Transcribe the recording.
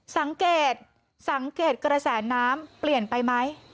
สังเกตกระแสนน้ำเปลี่ยนไปไหม